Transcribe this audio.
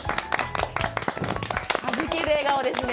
はじける笑顔ですね。